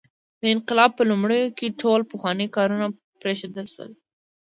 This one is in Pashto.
د انقلاب په لومړیو کې ټول پخواني کارونه پرېښودل شول.